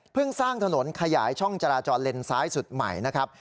สร้างถนนขยายช่องจราจรเลนซ้ายสุดใหม่นะครับ